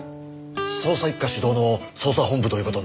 捜査一課主導の捜査本部という事になりますね。